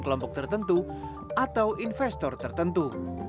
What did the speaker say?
kelompok tertentu atau investor tertentu